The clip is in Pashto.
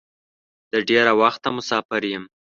د ډېره وخته مسافر یم.